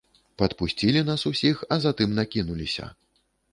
Падпусцілі нас усіх, а затым накінуліся.